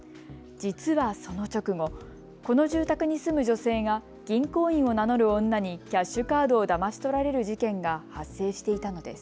実はその直後、この住宅に住む女性が銀行員を名乗る女にキャッシュカードをだまし取られる事件が発生していたのです。